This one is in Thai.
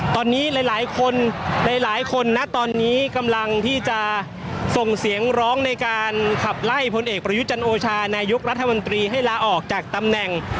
ตอนนี้หลายคนนะกำลังที่จะส่งเสียงร้องในการขับไล่ผลเอกไปรยุทธ์จันโชชาในยุครัฐบาลทะวันตรีให้ลาออกจากตำแหน่ง